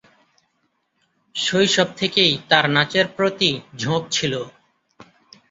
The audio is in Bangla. শৈশব থেকেই তার নাচের প্রতি ঝোঁক ছিল।